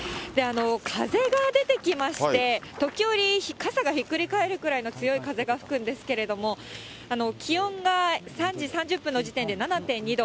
風が出てきまして、時折、傘がひっくり返るくらいの強い風が吹くんですけれども、気温が３時３０分の時点で７．２度。